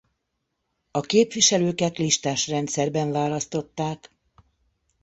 A képviselőket listás rendszerben választották.